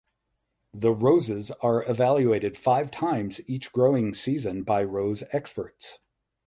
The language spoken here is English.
The roses are evaluated five times each growing season by rose experts.